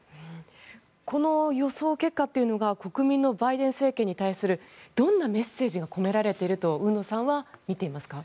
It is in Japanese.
この予想結果というのが国民のバイデン政権に対するどんなメッセージが込められていると海野さんは見ていますか？